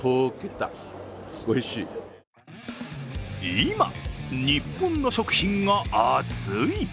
今、日本の食品が熱い。